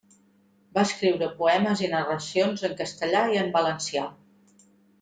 Va escriure poemes i narracions en castellà i en valencià.